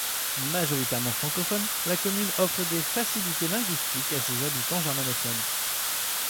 Majoritairement francophone, la commune offre des facilités linguistiques à ses habitants germanophones.